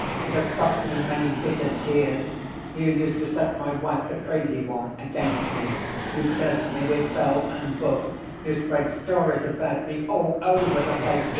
It has cost me many bitter tears. You used to set my wife, the crazy one, against me. You cursed me with bell and book, you spread stories about me all over the place.